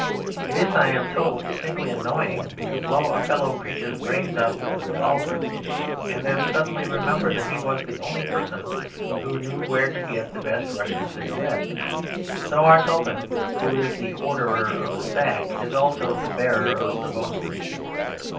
It is, I am told, distinctly annoying to blow a fellow creature's brains out with a revolver and then suddenly remember that he was the only person who knew where to get the best Russian cigarettes. So our Sultan, who is the orderer of the sack, is also the bearer of the bow string.